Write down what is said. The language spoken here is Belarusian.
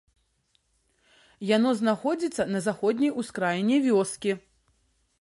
Яно знаходзіцца на заходняй ускраіне вёскі.